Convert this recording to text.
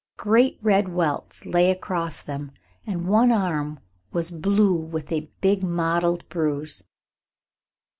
Great red welts lay across them, and one arm was blue with a big mottled bruise.